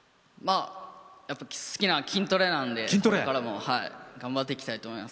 やっぱ好きなのが筋トレなんでこれからも頑張っていきたいと思います。